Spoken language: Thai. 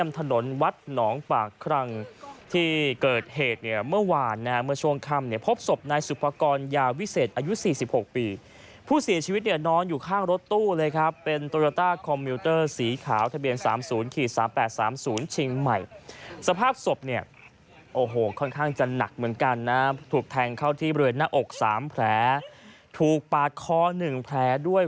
ถนนวัดหนองปากครังที่เกิดเหตุเนี่ยเมื่อวานนะฮะเมื่อช่วงค่ำเนี่ยพบศพนายสุภกรยาวิเศษอายุ๔๖ปีผู้เสียชีวิตเนี่ยนอนอยู่ข้างรถตู้เลยครับเป็นโตโยต้าคอมมิวเตอร์สีขาวทะเบียน๓๐๓๘๓๐เชียงใหม่สภาพศพเนี่ยโอ้โหค่อนข้างจะหนักเหมือนกันนะถูกแทงเข้าที่บริเวณหน้าอก๓แผลถูกปาดคอ๑แผลด้วย